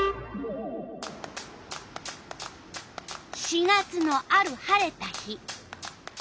４月のある晴れた日。